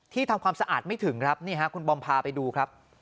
ทำความสะอาดไม่ถึงครับนี่ฮะคุณบอมพาไปดูครับ